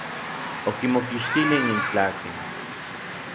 Okimokixtilij n itlaken.